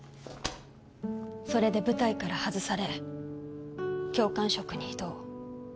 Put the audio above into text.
それで部隊から外され教官職に異動。